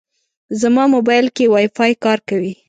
زما موبایل کې وايفای کار کوي.